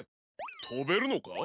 とべるのか？